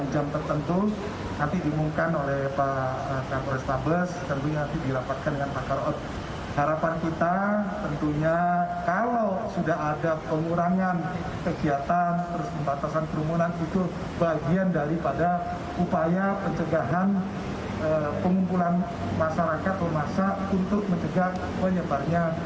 jalan pemuda jalan pemuda jalan basuki rahmat jalan tunjungan